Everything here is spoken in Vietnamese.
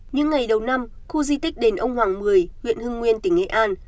những ngày đầu năm khu di tích đền ông hoàng một mươi huyện hưng nguyên tỉnh nghệ an